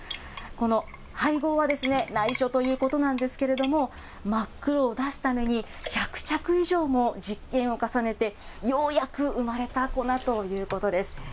この配合はないしょということなんですけれども、真っ黒を出すために、１００着以上も実験を重ねて、ようやく生まれた粉ということです。